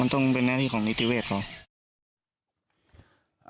มันต้องเป็นแน่นที่ของนิติเวชเหรอ